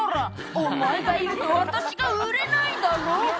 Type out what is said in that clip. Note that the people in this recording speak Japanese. お前がいると私が売れないだろ！」